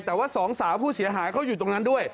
แต่ว่าสองสาวผู้เสียหายเขาอยู่ตรงนั้นด้วย